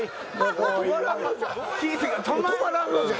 止まらんのじゃ。